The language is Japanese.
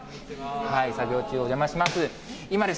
作業中、お邪魔します。